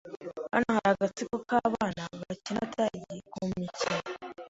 Hano hari agatsiko k'abana bakina tagi kumikino.